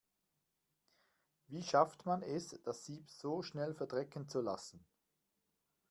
Wie schafft man es, das Sieb so schnell verdrecken zu lassen?